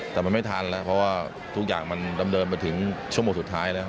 แต่มันไม่ทันแล้วเพราะว่าทุกอย่างมันดำเนินมาถึงชั่วโมงสุดท้ายแล้ว